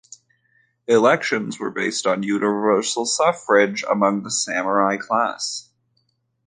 Elections were based on universal suffrage among the samurai class.